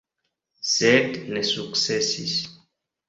Sed ne sukcesis.